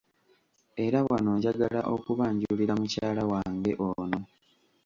Era wano njagala okubanjulira mukyala wange ono.